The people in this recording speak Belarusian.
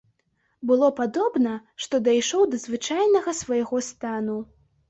Было падобна, што дайшоў да звычайнага свайго стану.